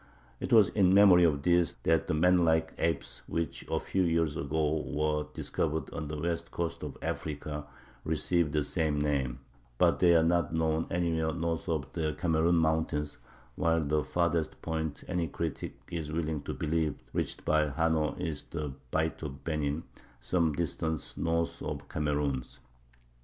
It was in memory of this that the manlike apes which a few years ago were discovered on the west coast of Africa received the same name; but they are not known anywhere north of the Kamerun Mountains, while the farthest point any critic is willing to believe reached by Hanno is the Bight of Benin, some distance north of the Kameruns.